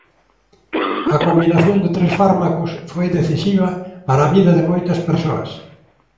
A combinación de tres fármacos foi decisiva para a vida de moitas persoas.